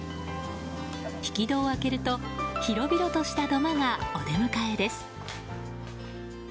引き戸を開けると広々とした土間がお出迎えです。